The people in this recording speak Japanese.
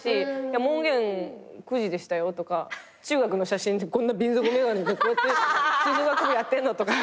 門限９時でしたよとか中学の写真でこんな瓶底眼鏡でこうやって吹奏楽やってんのとか。